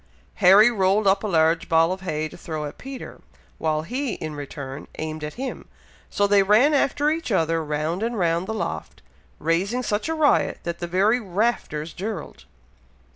Harry rolled up a large ball of hay to throw at Peter, while he, in return, aimed at him, so they ran after each other, round and round the loft, raising such a riot, that the very "rafters dirled."